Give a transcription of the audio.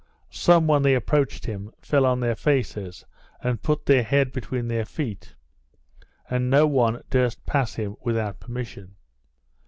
Some, when they approached him, fell on their faces, and put their head between their feet; and no one durst pass him without permission.